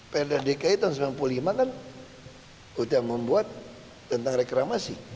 perda dki tahun seribu sembilan ratus sembilan puluh lima kan sudah membuat tentang reklamasi